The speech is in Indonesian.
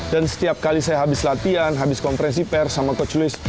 dan setiap kali saya habis latihan habis kompresi pers sama coach louis